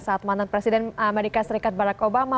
saat mantan presiden amerika serikat barack obama